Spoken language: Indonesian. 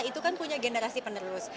itu kan punya generasi penerus